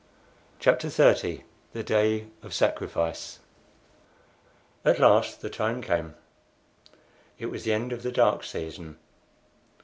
CHAPTER XXX THE DAY OF SACRIFICE At last the time came. It was the end of the dark season.